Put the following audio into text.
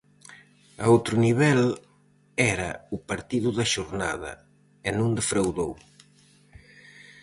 A outro nivel era o partido da xornada, e non defraudou.